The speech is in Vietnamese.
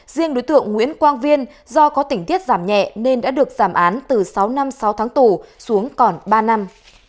riêng đối tượng nguyễn quang viên do có tỉnh tiết giảm nhẹ nên đã được giảm án từ sáu năm sáu tháng tù xuống còn ba năm